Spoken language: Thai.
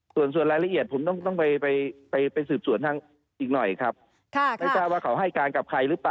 ส่วนรายละเอียดผมต้องไปสืบส่วนทางอีกหน่อยครับ